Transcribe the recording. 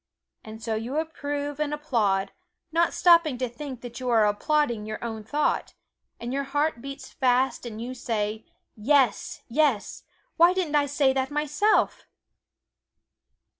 And so you approve and applaud, not stopping to think that you are applauding your own thought; and your heart beats fast and you say, "Yes, yes, why didn't I say that myself!"